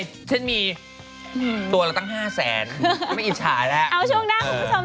เอาช่วงหน้าของผู้ชมพูดแล้วค่ะ